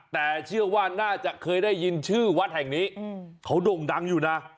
แต่เชื่อว่าน่าจะเคยได้ยินชื่อวัดแห่งนี้เขาด่งดังอยู่นะ